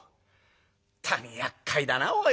「本当にやっかいだなおい。